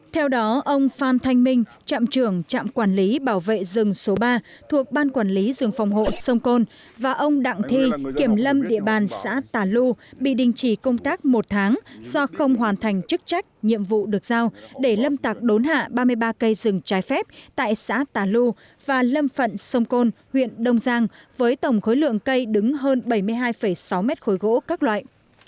theo đó ông phan thanh minh trạm trưởng trạm quản lý bảo vệ rừng số ba thuộc ban quản lý rừng phòng hộ sông côn và ông đặng thi kiểm lâm địa bàn xã tà lu bị đình chỉ công tác một tháng do không hoàn thành chức trách nhiệm vụ được giao để lâm tạc đốn hạ ba mươi ba cây rừng trái phép tại xã tà lu và lâm phận sông côn huyện đông giang với tổng khối lượng cây đứng hơn bảy mươi hai sáu mét khối gỗ các loại